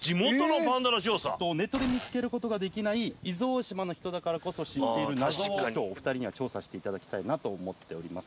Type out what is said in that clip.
ネットで見つける事ができない伊豆大島の人だからこそ知っている謎を今日お二人には調査していただきたいなと思っております。